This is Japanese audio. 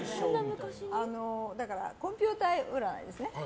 コンピューター占いですね。